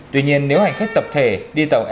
tuy nhiên nếu hành khách tập thể đi tàu